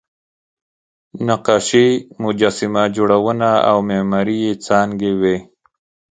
نقاشي، مجسمه جوړونه او معماري یې څانګې وې.